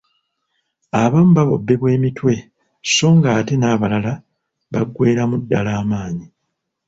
Abamu babobbebwa emitwe so ng'ate n'abalala baggweeramu ddala amaanyi.